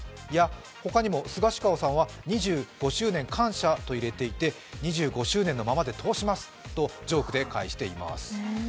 ほかにもスガシカオさんはスガシカオ２５周年感謝！としていて２５周年のままで通しますと、ジョークで返しています。